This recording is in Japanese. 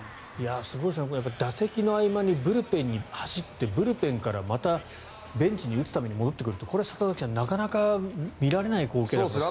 すごいですね打席の合間にブルペンに走ってブルペンから、またベンチに打つために戻ってくるってこれ里崎さんなかなか見られない光景ですよね。